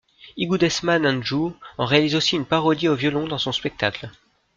Igudesman and Joo en réalise aussi une parodie au violon dans son spectacle.